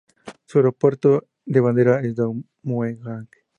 Su aeropuerto de bandera es Don Mueang.